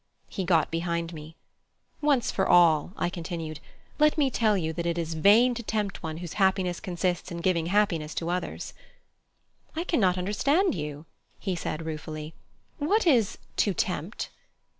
He got behind me. "Once for all," I continued, "let me tell you that it is vain to tempt one whose happiness consists in giving happiness to others." "I cannot understand you," he said ruefully. "What is to tempt?"